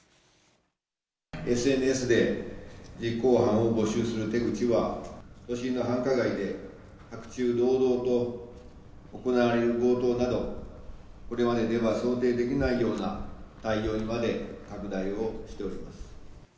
ＳＮＳで実行犯を募集する手口は、都心の繁華街で白昼堂々と行われる強盗など、これまででは想定できないような態様にまで拡大をしております。